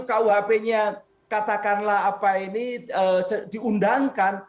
kuhp nya katakanlah apa ini diundangkan